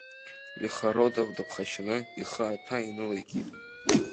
Лихародов дыԥхашьаны, ихы аҭәа инылеикит.